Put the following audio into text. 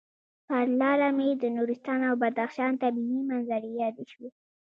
پر لاره مې د نورستان او بدخشان طبعي منظرې یادې شوې.